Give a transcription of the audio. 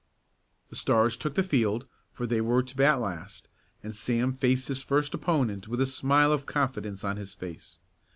The Stars took the field, for they were to bat last, and Sam faced his first opponent with a smile of confidence on his face.